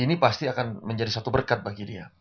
ini pasti akan menjadi satu berkat bagi dia